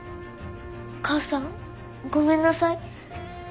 お母さんごめんなさい。